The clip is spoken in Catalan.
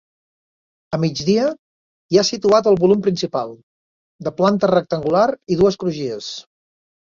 A migdia hi ha situat el volum principal, de planta rectangular i dues crugies.